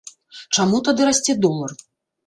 Чаму тады расце долар?